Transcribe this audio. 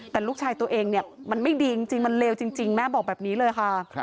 แต่ลูกชายตัวเองเนี่ยมันไม่ดีจริงมันเลวจริงแม่บอกแบบนี้เลยค่ะ